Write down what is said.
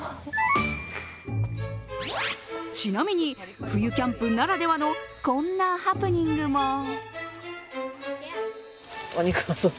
ちなみに、冬キャンプならではのこんなハプニングも。